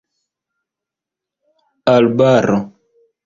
arbaro